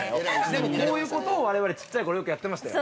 でも、こういうことを我々ちっちゃいころよくやってましたよ。